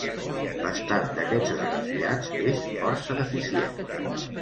L'estat d'aquests esgrafiats és força deficient.